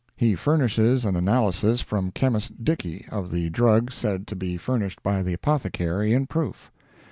He furnishes an analysis from Chemist Dickey, of the drug said to be furnished by the apothecary, in proof.